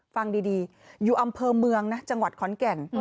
ฟังดีอยู่อำเภอเมืองนะจังหวัดขอนแก่น